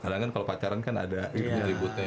kadang kan kalau pacaran kan ada ributnya